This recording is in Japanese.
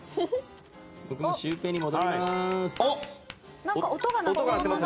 僕もシュウペイに戻ります。